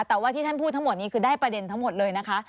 แต่ว่าที่ท่านพูดทั้งหมดนี้คือได้ประเด็นทั้งหมดเลยนะคะ